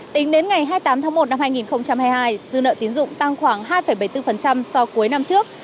tính đến ngày hai mươi tám tháng một năm hai nghìn hai mươi hai dư nợ tiến dụng tăng khoảng hai bảy mươi bốn so với năm trước